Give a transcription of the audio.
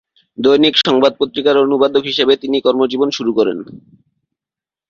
দৈনিক সংবাদ পত্রিকার অনুবাদক হিসেবে তিনি কর্মজীবন শুরু করেন।